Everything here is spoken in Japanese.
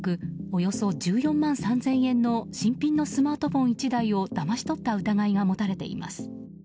およそ１４万３０００円の新品のスマートフォン１台をだまし取った疑いが持たれています。